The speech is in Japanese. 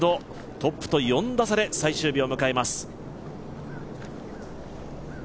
トップと４打差で最終日を迎えます